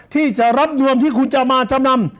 ที่จะรับยวนที่คุณจะมาจำนำ